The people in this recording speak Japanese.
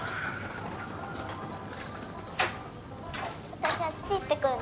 私あっち行ってくるね。